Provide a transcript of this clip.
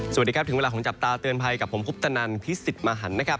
สวัสดีครับถึงเวลาของจับตาเตือนภัยกับผมคุปตนันพิสิทธิ์มหันนะครับ